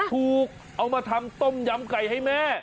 เอามาทำต้มยำไก่ให้แม่